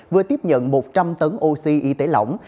vừa tiếp nhận một trăm linh tấn oxy y tế lỏng